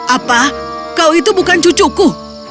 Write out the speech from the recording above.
apa kau itu bukan cucuku